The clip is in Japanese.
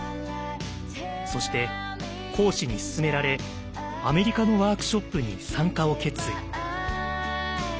そして講師に勧められアメリカのワークショップに参加を決意。